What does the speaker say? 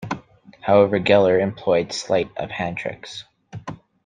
However, Geller employed sleight of hand tricks.